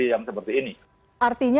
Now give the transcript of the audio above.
yang seperti ini artinya